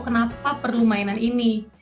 kenapa perlu mainan ini